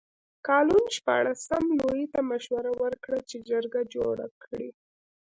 کالون شپاړسم لویي ته مشوره ورکړه چې جرګه جوړه کړي.